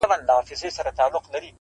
پر مین سول که قاضیان که وزیران وه-